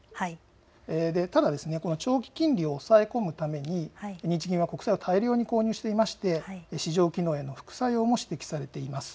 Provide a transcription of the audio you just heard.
ただこの長期金利を抑え込むために日銀は国債を大量に購入していまして市場機能への副作用も指摘されています。